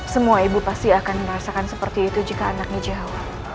semua ibu pasti akan merasakan seperti itu jika anaknya jawa